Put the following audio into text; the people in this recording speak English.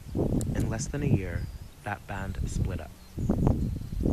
In less than a year, that band split up.